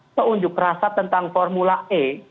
atau unjuk rasa tentang formula e